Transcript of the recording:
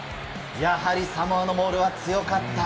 やはりサモアのモールは強かった。